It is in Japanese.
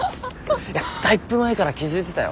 いやだいぶ前から気付いてたよ。